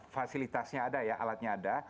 fasilitasnya ada ya alatnya ada